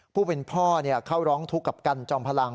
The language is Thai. ผู้เป็นพ่อเข้าร้องทุกข์กับกันจอมพลัง